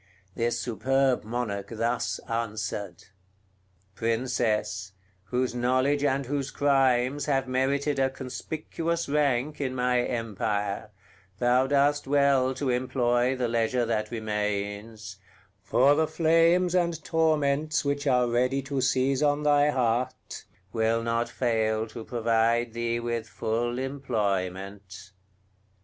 This superb Monarch thus answered: "Princess, whose knowledge and whose crimes have merited a conspicuous rank in my empire, thou dost well to employ the leisure that remains; for the flames and torments which are ready to seize on thy heart will not fail to provide thee with full employment."